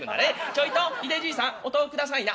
『ちょいとひでじいさんお豆腐下さいな。